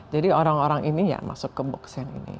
jadi orang orang ini ya masuk ke box yang ini